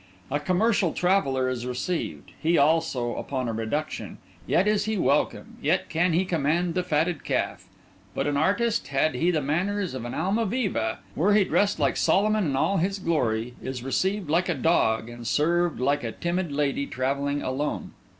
A commercial traveller is received, he also, upon a reduction—yet is he welcome, yet can he command the fatted calf; but an artist, had he the manners of an Almaviva, were he dressed like Solomon in all his glory, is received like a dog and served like a timid lady travelling alone.